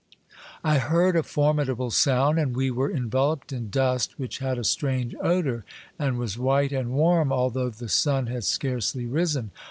I heard a for midable sound, and we were enveloped in dust which had a strange odor, and was white and warm although the sun had scarcely risen.